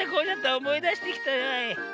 おもいだしてきたわい。